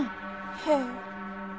へえ。